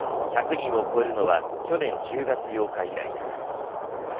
１００人を超えるのは去年１０月８日以来です。